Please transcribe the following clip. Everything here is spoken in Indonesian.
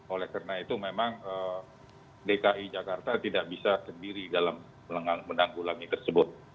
oleh karena itu memang dki jakarta tidak bisa sendiri dalam menanggulangi tersebut